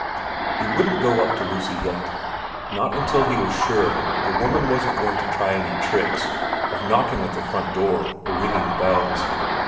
He wouldn't go up to Lucy yet ; not till he was sure the woman wasn't going to try any tricks of knocking at the front door or ringing bells.